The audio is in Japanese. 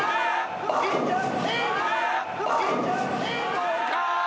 どうか！？